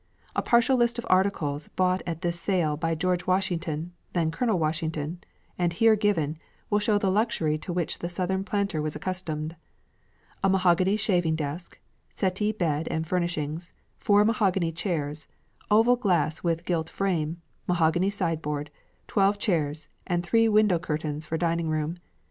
A partial list of articles bought at this sale by George Washington, then Colonel Washington, and here given, will show the luxury to which the Southern planter was accustomed: "A mahogany shaving desk, settee bed and furnishings, four mahogany chairs, oval glass with gilt frame, mahogany sideboard, twelve chairs, and three window curtains from dining room.